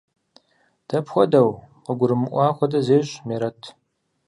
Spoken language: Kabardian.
– Дапхуэдэу? – къыгурымыӀуа хуэдэ зещӀ Мерэт.